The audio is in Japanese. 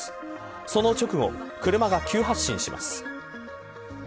その直後、車が急発進します。